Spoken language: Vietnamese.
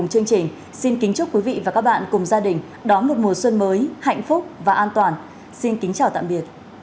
hạnh phúc của chúng tôi